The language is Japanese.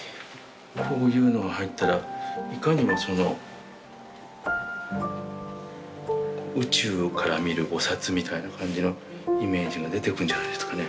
こういうのが入ったらいかにもその宇宙から見る菩薩みたいな感じのイメージが出てくるんじゃないですかね。